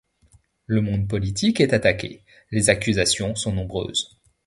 Le monde politique est attaqué, les accusations sont nombreuses.